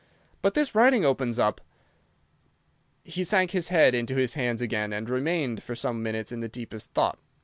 But this writing opens up—" He sank his head into his hands again and remained for some minutes in the deepest thought.